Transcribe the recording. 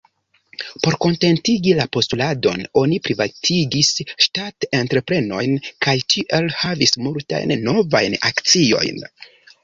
Por kontentigi la postuladon oni privatigis ŝtat-entreprenojn kaj tiel havis multajn novajn akciojn.